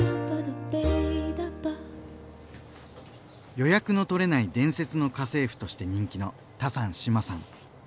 「予約のとれない伝説の家政婦」として人気のタサン志麻さん。